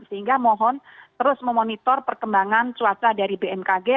sehingga mohon terus memonitor perkembangan cuaca dari bmkg